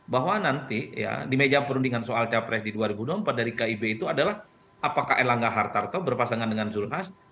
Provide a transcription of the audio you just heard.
bahwa nanti ya di meja perundingan soal capres di dua ribu dua puluh empat dari kib itu adalah apakah erlangga hartarto berpasangan dengan zulhas